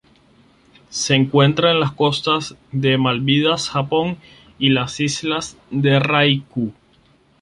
Se encuentra en las costas de las Maldivas, Japón y las islas Ryukyu.